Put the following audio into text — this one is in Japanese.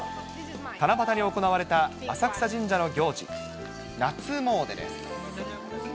七夕に行われた浅草神社の行事、夏詣です。